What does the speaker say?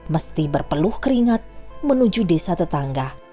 mesti berpeluh keringat menuju desa tetangga